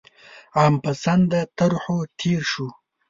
عام پسنده طرحو تېر شو.